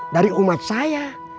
dari umat saya